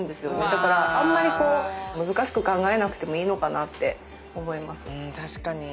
だからあんまりこう難しく考えなくてもいいのかなって思います。